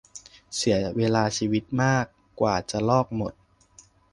เสียเวลาชีวิตมาก กว่าจะลอกหมด